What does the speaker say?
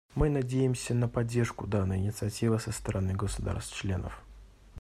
Мы надеемся на поддержку данной инициативы со стороны государств-членов.